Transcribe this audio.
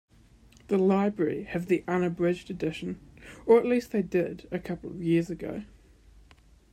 The library have the unabridged edition, or at least they did a couple of years ago.